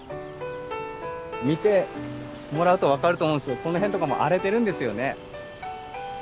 見てもらうと分かると思うんですけど、この辺とかも荒れてるんですよね。